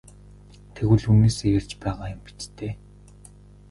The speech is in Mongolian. Тэгвэл үнэнээсээ ярьж байгаа юм биз дээ?